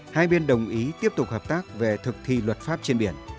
hai bên đồng ý tiếp tục hợp tác về thực thi luật pháp trên biển